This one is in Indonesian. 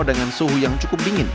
dengan suhu yang cukup dingin